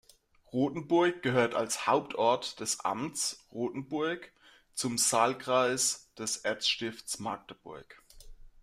Rothenburg gehörte als Hauptort des Amts Rothenburg zum Saalkreis des Erzstifts Magdeburg.